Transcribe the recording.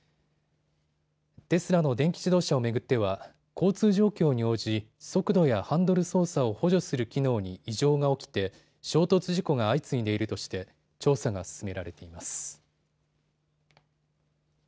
テスラの電気自動車を巡っては交通状況に応じ速度やハンドル操作を補助する機能に異常が起きて衝突事故が相次いでいるとして調査が進められています。